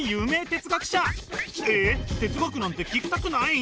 哲学なんて聞きたくない？